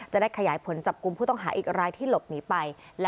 จะด้าขยายผลจับกุมพวกผู้ต้องหาอีกรไล่ให้หลบหนีไป